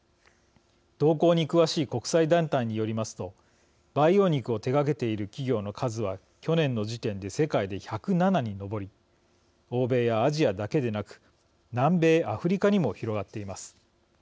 動向に詳しい国際団体によりますと培養肉を手がけている企業の数は去年の時点で世界で１０７に上り欧米やアジアだけでなく南米、アフリカにも広がっています。